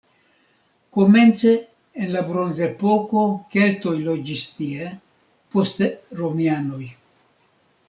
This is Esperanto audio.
Komence en la bronzepoko keltoj loĝis tie, poste romianoj.